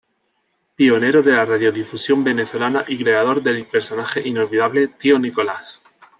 Pionero de la radiodifusión venezolana y creador del personaje inolvidable: Tío Nicolás.